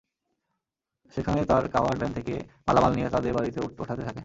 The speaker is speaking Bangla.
সেখানে তাঁরা কাভার্ড ভ্যান থেকে মালামাল নিয়ে তাঁদের গাড়িতে ওঠাতে থাকেন।